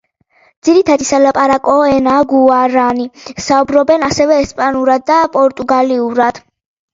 ძირითადი სალაპარაკო ენაა გუარანი, საუბრობენ ასევე ესპანურად და პორტუგალიურად.